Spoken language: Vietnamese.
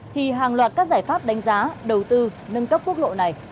thì hàng loạt các giải pháp đánh giá đầu tư nâng cấp quốc lộ này